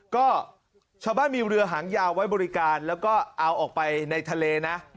ก็ชาวบ้านมีเรือหางยาวไว้บริการแล้วก็เอาออกไปในทะเลนะ